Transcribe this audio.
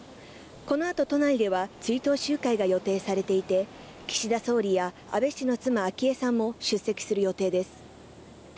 このあと都内では追悼集会が予定されていて、岸田総理や安倍氏の妻・昭恵さんも出席する予定です。